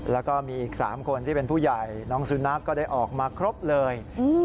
แล้วก็มีอีก๓คนที่เป็นผู้ใหญ่น้องสุนัขก็ได้ออกมาครบเลย